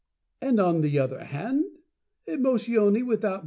"And on the other hand, Emotione without